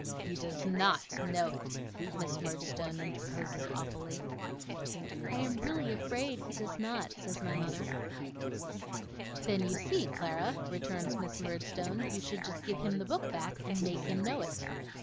'He does NOT know it,' Miss Murdstone interposes awfully. 'I am really afraid he does not,' says my mother. 'Then, you see, Clara,' returns Miss Murdstone, 'you should just give him the book back, and make him know it.